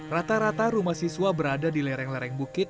rata rata rumah siswa berada di lereng lereng bukit